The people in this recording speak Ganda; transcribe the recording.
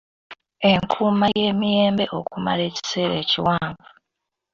Enkuuma y'emiyembe okumala ekiseera ekiwanvu.